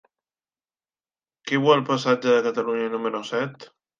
Qui viu al passatge de Catalunya número set?